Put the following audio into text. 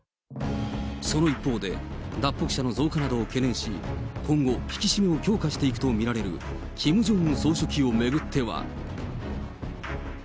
その一方で、脱北者の増加などを懸念し、今後、引き締めを強化していくと見られるキム・ジョンウン総書記を巡っては。